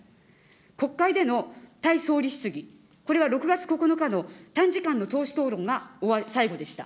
国会での対総理質疑、これは６月９日の３時間の党首討論が最後でした。